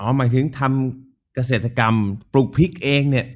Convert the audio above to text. หมายถึงทำเกษตรกรรมปลูกพริกเองเนี่ย